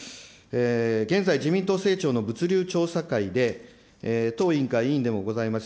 現在、自民党政調の物流調査会で、当委員会委員でもございます